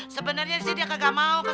sebenernya sih dia kegak mau kesana